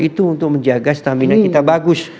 itu untuk menjaga stamina kita bagus